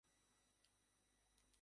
চেষ্টা করারও তো কিছু নাই।